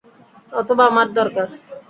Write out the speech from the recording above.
অথবা আমার দরকার।